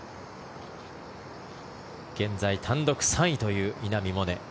現在、単独３位という稲見萌寧。